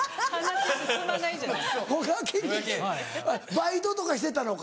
バイトとかしてたのか？